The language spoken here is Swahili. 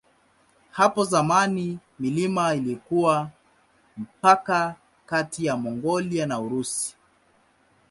Hapo zamani milima ilikuwa mpaka kati ya Mongolia na Urusi.